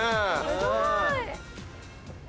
すごい。